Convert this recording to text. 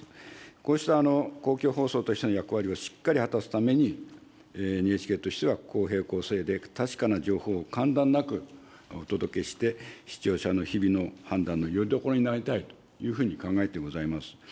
こうした公共放送としての役割をしっかり果たすために、ＮＨＫとしては、公平・公正で確かな情報を間断なくお届けして、視聴者の日々の判断のよりどころになりたいというふうに考えてございます。